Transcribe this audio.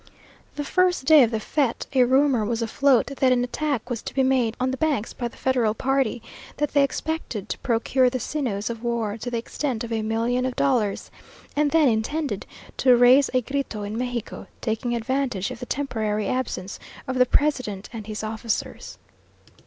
The first day of the fête, a rumour was afloat that an attack was to be made on the banks by the federal party; that they expected to procure the sinews of war to the extent of a million of dollars, and then intended to raise a grito in Mexico, taking advantage of the temporary absence of the president and his officers.